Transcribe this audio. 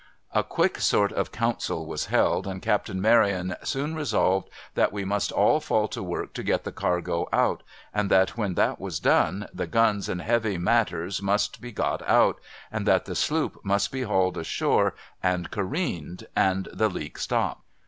A quick sort of council was held, and Captain Maryon soon resolved that we must all fall to work to get the cargo out, and that when that was done, the guns and heavy matters must be got out, and that the sloop must be hauled ashore, and careened, and the leak stopped.